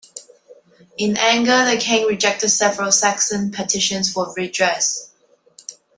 In anger, the king rejected several Saxon petitions for redress.